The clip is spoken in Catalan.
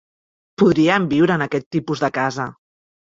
Podríem viure en aquest tipus de casa.